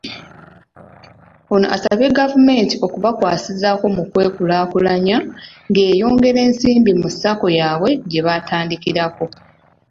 Ono asabye gavumenti okubakwasizaako mu kwekulaakulanya ng'eyongera ensimbi mu Sacco yaabwe gye baatandikawo.